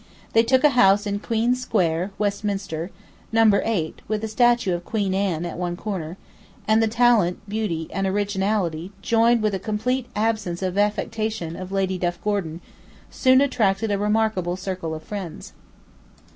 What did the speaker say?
They took a house in Queen Square, Westminster, (No 8, with a statue of Queen Anne at one corner), and the talent, beauty, and originality, joined with a complete absence of affectation of Lady Duff Gordon, soon attracted a remarkable circle of friends.